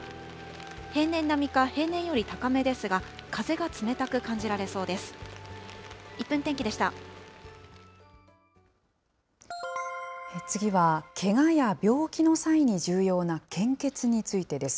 平年並みか平年より高めですが、風が冷たく感じられそうです。